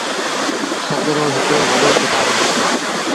سهت روهڪڙو وڏو ڪتآب هوئيٚتو۔